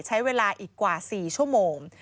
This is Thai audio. ใช้เวลาอีกกว่า๔ชั่วโมง